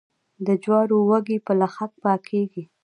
د جوارو وږي په لښک پاکیږي.